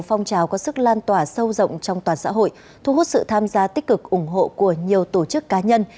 cục quản lý liminate có sức lan tỏa sâu rộng trong toàn xã hội thu hút sự tham gia tích cực ủng hộ của nhiều tổ chức cá nhân